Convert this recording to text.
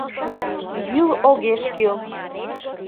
Гӱл огеш кӱл